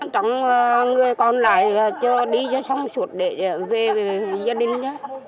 trong người còn lại cho đi cho xong xuất để về với gia đình đó